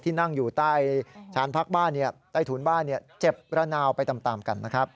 ที่นั่งอยู่ใต้ฐานพักบ้านใต้ฐุรบ้านเห็นเจ็บระนาวไปตามตามกันนะ